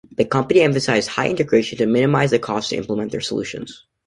The company emphasized high integration to minimize the cost to implement their solutions.